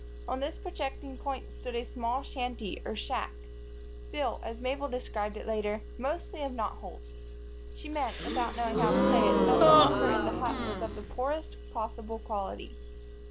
On this projecting point stood a small shanty or shack, built, as Mabel described it later, mostly of knot holes. She meant, without knowing how to say it, that the lumber in the hut was of the poorest possible quality.